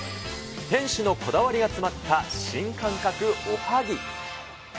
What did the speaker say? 店主のこだわりが詰まった新感覚おはぎ。